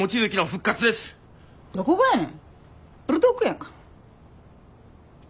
どこがやねんブルドッグやんか。